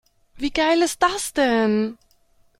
Wie geil ist das denn?